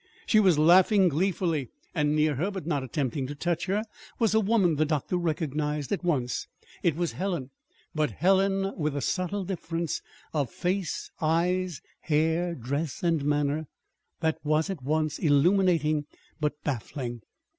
She was laughing gleefully. Near her, but not attempting to touch her, was a woman the doctor recognized at once. It was Helen but Helen with a subtle difference of face, eyes, hair, dress, and manner that was at once illuminating but baffling.